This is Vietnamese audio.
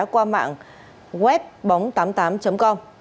qua mạng web bóng tám mươi tám com